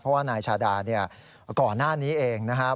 เพราะว่านายชาดาก่อนหน้านี้เองนะฮะ